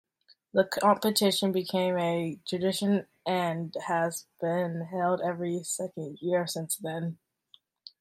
The competition became a tradition and has been held every second year since then.